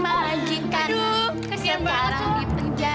menjikan kesian barang di penjara